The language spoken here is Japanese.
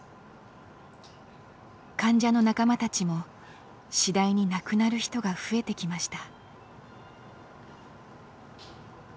患者の仲間たちも次第に亡くなる人が増えてきました。